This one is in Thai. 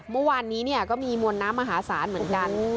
เมื่อวานนี้ก็มีมวลน้ำมหาศาลเหมือนกัน